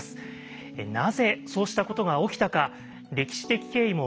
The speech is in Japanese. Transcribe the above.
なぜそうしたことが起きたか歴史的経緯も